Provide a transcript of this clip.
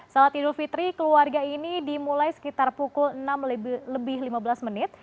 salat idul fitri keluarga ini dimulai sekitar pukul enam lebih lima belas menit